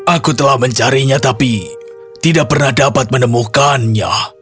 aku telah mencarinya tapi tidak pernah dapat menemukannya